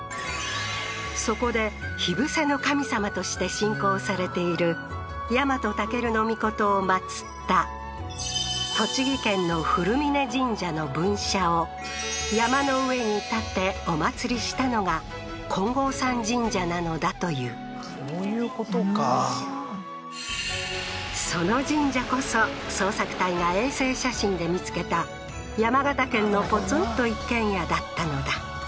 そこで火伏せの神さまとして信仰されている日本武尊を祭った栃木県の古峯神社の分社を山の上に建てお祭りしたのが金剛山神社なのだというそういうことかふーんその神社こそ捜索隊が衛星写真で見つけた山形県のポツンと一軒家だったのだ所